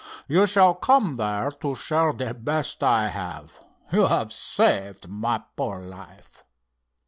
You shall come there to share the best I have. You have saved my poor life."